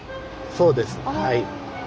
そうです。